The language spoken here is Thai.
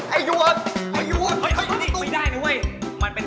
ไอ้โต๊ยตามประตูเว้ย